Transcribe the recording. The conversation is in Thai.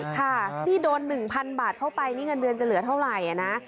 ค่ะนี่โดน๑๐๐๐บาทเข้าไปนี่เงินเดือนจะเหลือเท่าไหร่นะ